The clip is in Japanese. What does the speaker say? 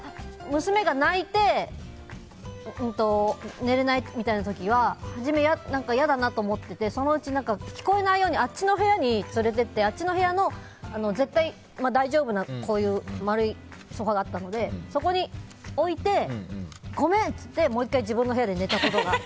娘が泣いて寝れないみたいな時はじめ、嫌だなと思っていてそのうち聞こえないようにあっちの部屋に連れて行ってあっちの部屋の絶対、大丈夫な丸いソファがあったのでそこに置いてごめん！って言ってもう１回自分の部屋で寝たことが。